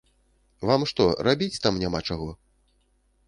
Вам што, рабіць там няма чаго?